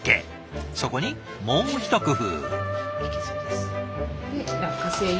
そこにもう一工夫。